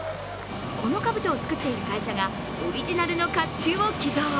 このかぶとを作っている会社がオリジナルのかっちゅうを寄贈。